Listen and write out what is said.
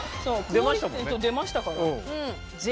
出ましたから。